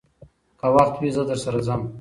که وخت وي، زه درسره ځم.